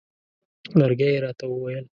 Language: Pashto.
لرګی یې راته وویل.